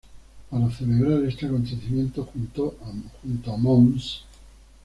Para celebrar este acontecimiento, junto a Mons.